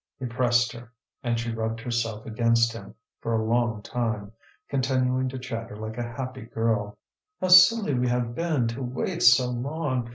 He pressed her, and she rubbed herself against him for a long time, continuing to chatter like a happy girl: "How silly we have been to wait so long!